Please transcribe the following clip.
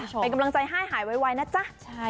กลับกำลังใจหายหายไวนะจ๊ะ